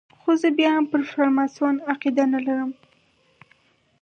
خو زه بیا هم پر فرماسون عقیده نه لرم.